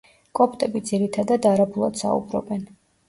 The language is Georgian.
კოპტები ძირითადად არაბულად საუბრობენ.